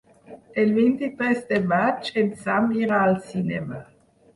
El vint-i-tres de maig en Sam irà al cinema.